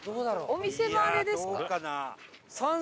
お店のあれですか？